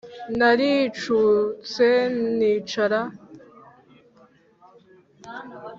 Naricutse nicara